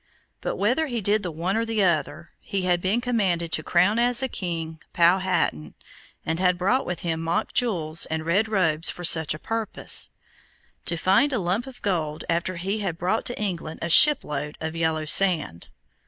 But whether he did the one or the other, he had been commanded to crown as a king, Powhatan, and had brought with him mock jewels and red robes for such a purpose. To find a lump of gold, after he had brought to England a shipload of yellow sand!